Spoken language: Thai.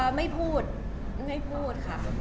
ไม่พูดไม่พูดค่ะ